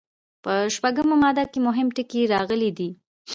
په شپږمه ماده کې مهم ټکي راغلي دي.